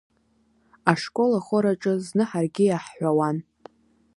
Ашкол ахор аҿы зны ҳаргьы иаҳҳәауан…